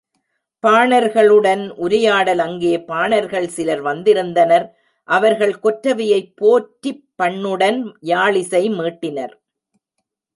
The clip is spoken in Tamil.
பாணர்களுடன் உரையாடல் அங்கே பாணர்கள் சிலர் வந்திருந்தனர் அவர்கள் கொற்றவையைப் போற்றிப் பண்ணுடன் யாழ்இசை மீட்டினர்.